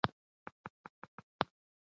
ډاکټر کراین وویل چې کولمو سالم ساتل اړین دي.